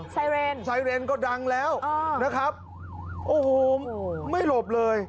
สไตเลนสไตเลนก็ดังแล้วนะครับโอ้โหมันไม่โหลบเลย